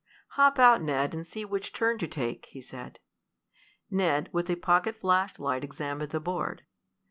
"Hop out, Ned, and see which turn to take," he said. Ned, with a pocket flashlight, examined the board.